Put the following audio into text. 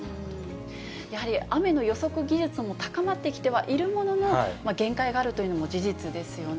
やはり、雨の予測技術も高まってきてはいるものの、限界があるというのも事実ですよね、